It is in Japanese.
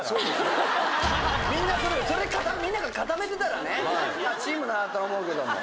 みんなそれみんなが固めてたらねチームだなと思うけども。